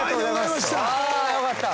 あよかった。